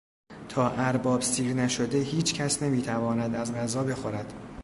تا ارباب سیر نشده هیچکس نمیتواند از غذا بخورد.